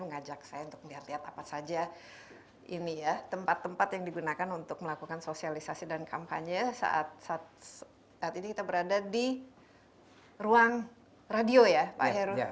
mengajak saya untuk melihat lihat apa saja ini ya tempat tempat yang digunakan untuk melakukan sosialisasi dan kampanye saat saat ini kita berada di ruang radio ya pak heru